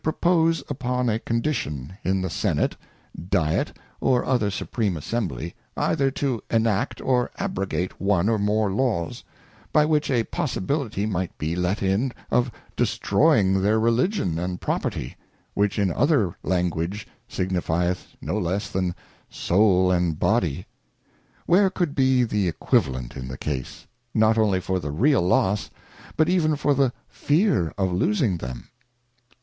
1 1 3 propose upon a condition, in the Senate, Diet, or other Supreme Assembly, either to Enact or Abrogate one or more Laws, by which ti possibility might be let in of destroying their Religion and Property, which in other language signifieth no less than Soul and Body ; where could be the Equivalent in the case, not only for the real loss, but even for the. fear of losing them